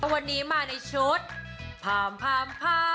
แล้ววันนี้มาในชุดพร้อมพร้อม